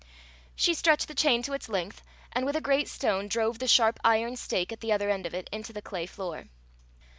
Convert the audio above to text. She stretched the chain to its length, and with a great stone drove the sharp iron stake at the other end of it, into the clay floor.